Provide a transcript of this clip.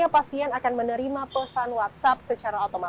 pasien akan melakukan tes psikologi